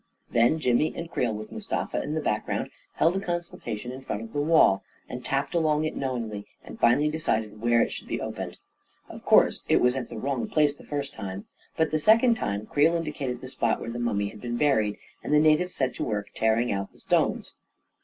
Then Jimmy and Creel, with Mustafa in the back ground, held a consultation in front of the wall, and tapped along it knowingly, and finally decided where it should be opened. Of course it was at the wrong place the first time ; but the second time, Creel indi cated the spot where the mummy had been buried, and the natives set to work tearing out the stones.